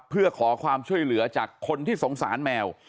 เพื่อขอความช่วยเหลือจากคนที่สงสารแมว